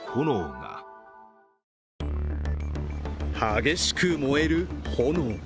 激しく燃える炎。